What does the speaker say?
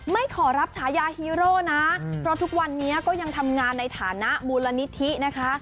ไม่ขอรับฉายาฮีโร่นะเพราะทุกวันนี้ก็ยังทำงานในฐานะมูลนิธินะคะ